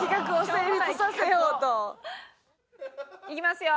いきますよ。